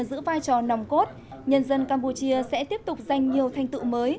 giữ vai trò nồng cốt nhân dân campuchia sẽ tiếp tục giành nhiều thành tựu mới